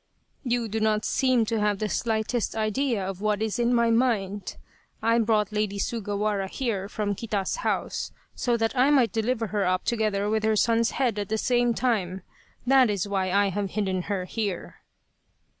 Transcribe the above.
" You do not seem to have the slightest idea of what is in my mind ! I brought Lady Sugawara here from Kita's house so that I might deliver her up together 185 Loyal, Even Unto Death with her son's head at the same time that is why I have hidden her here."